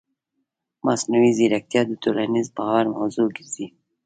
مصنوعي ځیرکتیا د ټولنیز باور موضوع ګرځي.